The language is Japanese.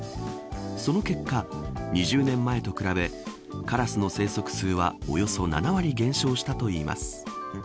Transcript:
その結果２０年前と比べカラスの生息数はおよそ７割減少したといいます。